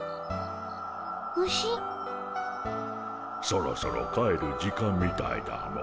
そろそろ帰る時間みたいだモ。